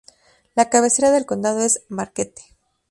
La cabecera del condado es Marquette.